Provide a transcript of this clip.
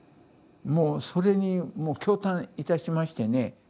もうそれにもう驚嘆いたしましてね。